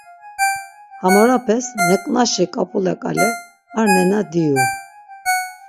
Hamorapes neǩnaşi ǩap̌ula ǩale ar nena diyu.